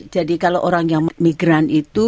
jadi kalau orang yang migran itu